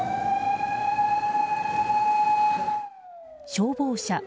消防車。